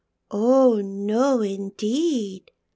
" Oh no, indeed